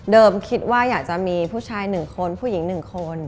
คิดว่าอยากจะมีผู้ชาย๑คนผู้หญิง๑คน